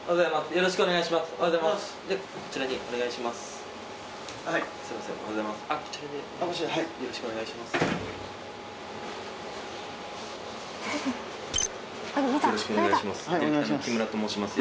よろしくお願いします